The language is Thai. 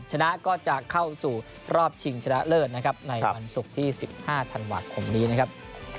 ชนะก็จะเข้าสู่รอบชิงชนะเลิศนะครับในวันศุกร์ที่๑๕ธันวาคมนี้นะครับ